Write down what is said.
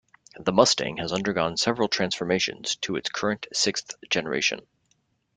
The Mustang has undergone several transformations to its current sixth generation.